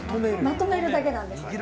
まとめるだけなんです。